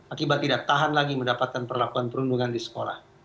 akibat tidak tahan lagi mendapatkan perlakuan perundungan di sekolah